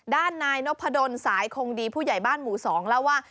ด้านนายนพดลสายคงดีผู้ใหญ่บ้านหมู่๒เล่าว่า